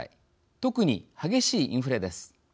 特に激しいインフレです。